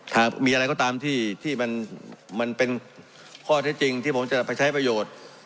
หากมีอะไรก็ตามที่มันเป็นข้อเท็จจริงที่ผมจะไปใช้ประโยชน์